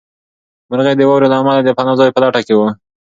مرغۍ د واورې له امله د پناه ځای په لټه کې وې.